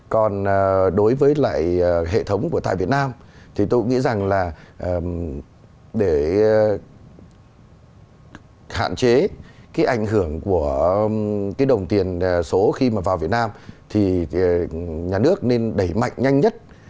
còn đối với lại hệ thống của tại việt nam thì tôi nghĩ rằng là để hạn chế cái ảnh hưởng của cái đồng tiền số khi mà vào việt nam thì nhà nước nên đẩy mạnh nhanh nhất